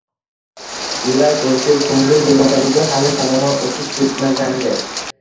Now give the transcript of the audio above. Yurak urishi, ko'ngil bezovtaligi hali tamoman o'tib ketmagandi.